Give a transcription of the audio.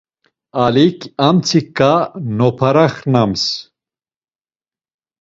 Alik amtsiǩa noparaxnams.